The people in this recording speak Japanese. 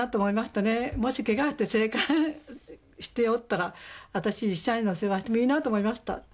もしケガをして生還しておったら私医者への世話してもいいなと思いました。